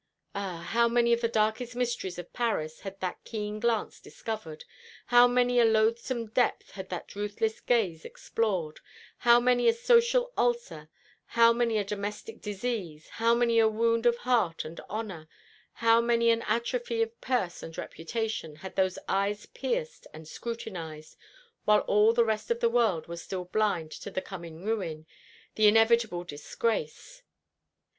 Ah, how many of the darkest mysteries of Paris had that keen glance discovered, how many a loathsome depth had that ruthless gaze explored, how many a social ulcer, how many a domestic disease, how many a wound of heart and honour, how many an atrophy of purse and reputation had those eyes pierced and scrutinised, while all the rest of the world was still blind to the coming ruin, the inevitable disgrace!